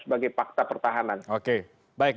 sebagai fakta pertahanan